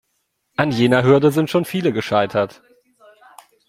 An jener Hürde sind schon viele gescheitert.